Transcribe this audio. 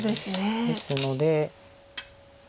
ですので。